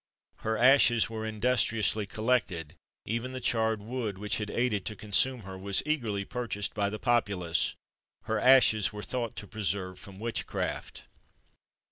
Her ashes were industriously collected; even the charred wood, which had aided to consume her, was eagerly purchased by the populace. Her ashes were thought to preserve from witchcraft.